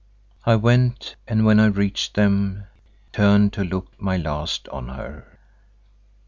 I went and when I reached them, turned to look my last on her.